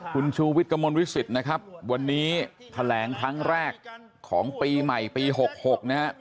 คุณชูวิทย์กระมวิสิทธิ์นะครับวันนี้แถลงทั้งแรกของปีใหม่ปีหกหกเนี้ยฮะ